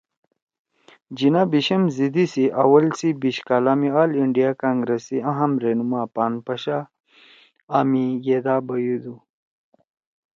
جناح بیشم زیِدی (صدی) سی اول سی بیِش کالا می آل اِنڈیا کانگرَس سی اہم رہنما )پان پشا( آ می یِدا بیُودُو